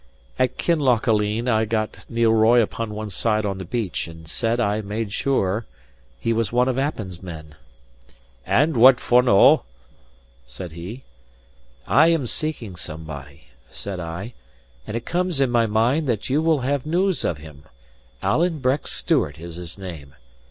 At Kinlochaline I got Neil Roy upon one side on the beach, and said I made sure he was one of Appin's men. "And what for no?" said he. "I am seeking somebody," said I; "and it comes in my mind that you will have news of him. Alan Breck Stewart is his name."